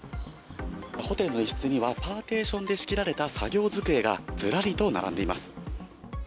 ホテルの一室にはパーティションで仕切られた作業机がずらりと並んでいます。